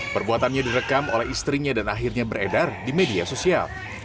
perbuatannya direkam oleh istrinya dan akhirnya beredar di media sosial